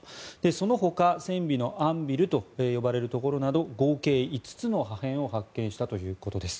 そのほか船尾のアンビルと呼ばれる部分など合計５つの破片を発見したということです。